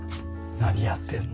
何やってんの？